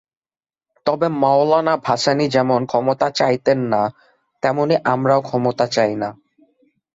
তবে মওলানা ভাসানী যেমন ক্ষমতা চাইতেন না, তেমনি আমরাও ক্ষমতা চাই না।